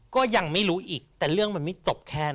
ก็ยังไม่รู้อีกแต่เรื่องมันไม่จบแค่นั้น